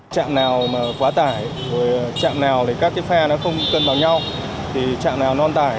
chất chạm nào quá tải chạm nào các pha không cân vào nhau chạm nào non tải